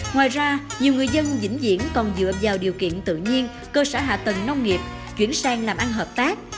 ngoài ra nhiều người dân vĩnh diễn còn dựa vào điều kiện tự nhiên cơ sở hạ tầng nông nghiệp chuyển sang làm ăn hợp tác